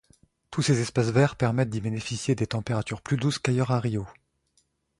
Tous ces espaces verts permettent d'y bénéficier des températures plus douces qu'ailleurs à Rio.